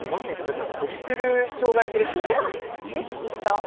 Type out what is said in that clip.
トリプルしょうが焼きですね。